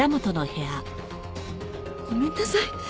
ごめんなさい。